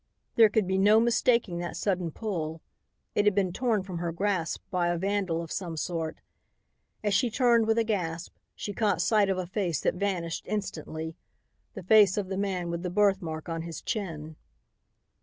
There could be no mistaking that sudden pull. It had been torn from her grasp by a vandal of some sort. As she turned with a gasp, she caught sight of a face that vanished instantly, the face of the man with the birthmark on his chin.